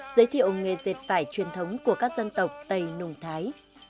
giới thiệu nghề dệt vải truyền thống của các dân tộc tây nùng thái